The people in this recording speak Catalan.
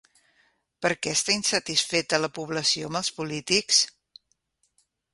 Per què està insatisfeta la població amb els polítics?